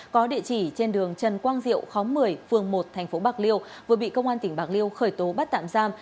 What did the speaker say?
có địa chỉ trên đường trần quang diệu khóm một mươi phường một thành phố bạc liêu vừa bị công an tỉnh bạc liêu khởi tố bắt tạm giam